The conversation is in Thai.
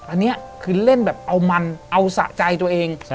อันนี้คือเล่นแบบเอามันเอาสะใจตัวเอง